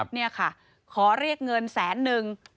นี่ค่ะขอเรียกเงินแสนนึง